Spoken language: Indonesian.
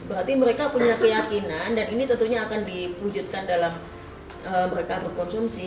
berarti mereka punya keyakinan dan ini tentunya akan diwujudkan dalam mereka berkonsumsi